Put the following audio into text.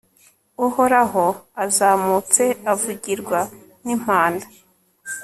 uhoraho azamutse avugirwa n'impanda